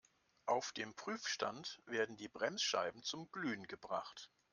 Auf dem Prüfstand werden die Bremsscheiben zum Glühen gebracht.